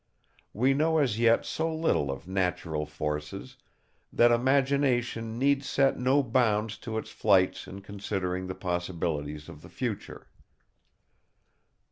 We know as yet so little of natural forces, that imagination need set no bounds to its flights in considering the possibilities of the future.